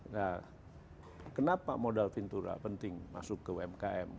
nah kenapa modal ventura penting masuk ke umkm